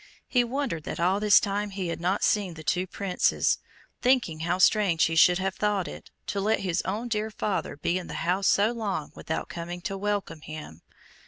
He wondered that all this time he had not seen the two Princes, thinking how strange he should have thought it, to let his own dear father be in the house so long without coming to welcome him.